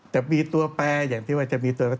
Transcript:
จะมีตัวแปรอย่างที่ว่าจะมีตัวแปล